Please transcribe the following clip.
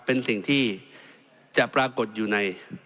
เป็นสิ่งที่จะปรากฏอยู่ใน